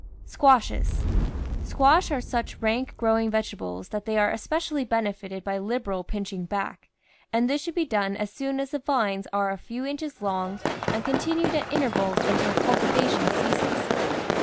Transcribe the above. SQUASHES Squash are such rank growing vegetables that they are especially benefited by liberal pinching back, and this should be done as soon as the vines are a few inches long and continued at intervals until culti vation ceases.